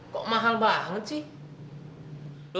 kau mahak banget sih